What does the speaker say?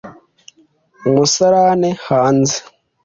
umusarane hanze